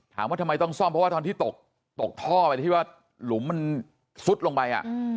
ถามว่าทำไมต้องซ่อมเพราะว่าตอนที่ตกท่อไปที่ว่าหลุมมันซุดลงไป